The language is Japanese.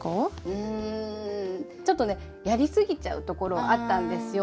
うんちょっとねやりすぎちゃうところあったんですよ。